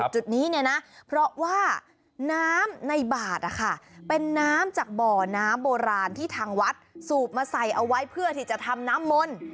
จุดนี้เนี่ยนะเพราะว่าน้ำในบาทนะคะเป็นน้ำจากบ่อน้ำโบราณที่ทางวัดสูบมาใส่เอาไว้เพื่อที่จะทำน้ำมนต์